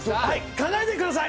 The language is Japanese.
考えてください！